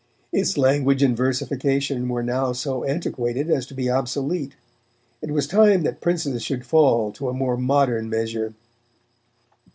Its language and versification were now so antiquated as to be obsolete; it was time that princes should fall to a more modern measure.